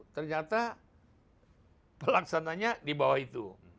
ternyata pelaksananya di bawah itu